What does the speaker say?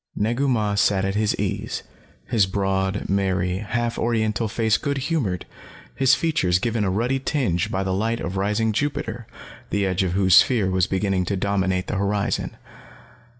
Negu Mah sat at his ease, his broad, merry, half Oriental face good humored, his features given a ruddy tinge by the light of rising Jupiter, the edge of whose sphere was beginning to dominate the horizon.